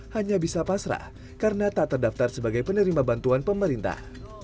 hanya bisa pasrah karena tak terdaftar sebagai penerima bantuan pemerintah